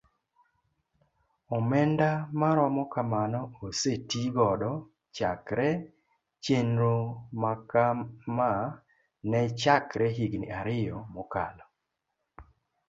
Omenda maromo kamano oseti godo chakre chenro makama ne chakre higni ariyo mokalo.